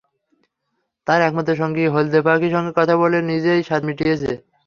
তার একমাত্র সঙ্গী হলদে পাখির সঙ্গে কথা বলেই নিজের সাধ মিটিয়েছে।